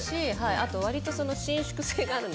あとわりと伸縮性があるので。